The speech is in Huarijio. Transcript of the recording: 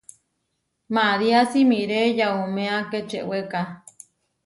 María simiré yauméa Kečeweka.